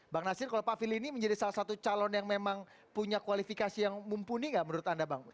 bang nasir kalau pak fili ini menjadi salah satu calon yang memang punya kualifikasi yang mumpuni nggak menurut anda bang